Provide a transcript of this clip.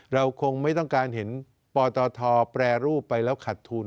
เราคงไม่ต้องการเห็นปตทแปรรูปไปแล้วขัดทุน